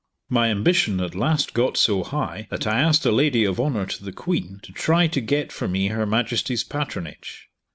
My ambition at last got so high that I asked a Lady of honour to the Queen to try to get for me Her Majesty's patronage.